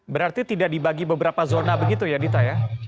berarti tidak dibagi beberapa zona begitu ya dita ya